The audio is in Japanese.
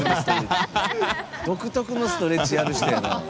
独特のストレッチやな。